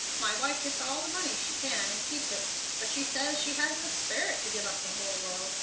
My wife gets all the money she can and keeps it, but she says she has the sperit to give up the hull world.